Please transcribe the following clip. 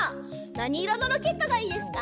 なにいろのロケットがいいですか？